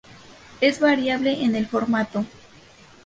Es variable en el formato.